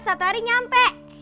satu hari nyampe